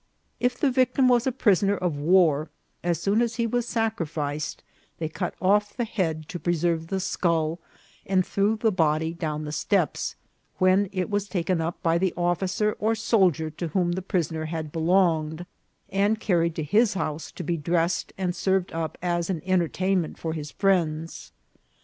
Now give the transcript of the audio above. If the victim was a prisoner of war, as soon as he was sacrificed they cut off the head to preserve the scull, and threw the body down the steps, when it was taken up by the officer or soldier to whom the prisoner had belonged, and carried to his house to be dressed and served up as an entertainment for his friends.